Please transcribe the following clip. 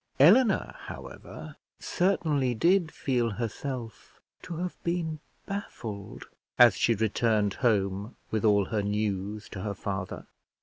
Eleanor, however, certainly did feel herself to have been baffled as she returned home with all her news to her father.